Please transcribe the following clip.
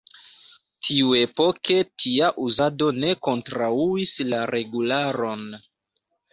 Tiuepoke tia uzado ne kontraŭis la regularon.